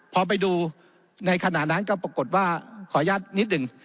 พอไปดูในขณะนั้นก็ปรากฏว่าขออนุญาตนิดหนึ่ง